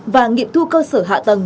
và nghiệp thu cơ sở hạ tầng